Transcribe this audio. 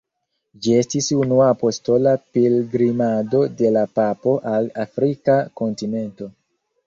Ĝi estis unua apostola pilgrimado de la papo al Afrika kontinento.